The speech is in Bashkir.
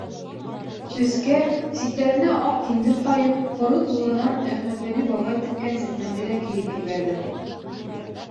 Өҫкә, ситтәренә аҡ киндер ҡайып, һоро туланан Әхмәтвәли бабай теккән сәкмәнде лә кейеп ебәрҙем.